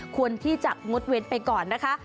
ควรที่จะงดเว้นไปก่อนนะคะ